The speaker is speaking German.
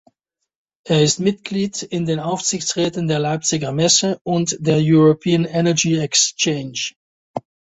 Er ist Mitglied in den Aufsichtsräten der Leipziger Messe und der European Energy Exchange.